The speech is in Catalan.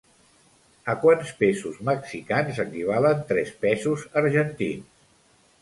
A quants pesos mexicans equivalen tres pesos argentins?